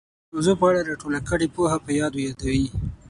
د موضوع په اړه را ټوله کړې پوهه په یادو یادوي